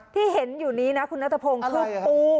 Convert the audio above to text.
ที่เห็นอยู่นี้นะคุณนัทพงศ์คือปู